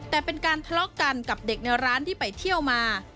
แต่เป็นการทะเลาะกันกับเด็กในร้านที่ไปเที่ยวมา